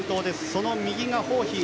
その右がホーヒー。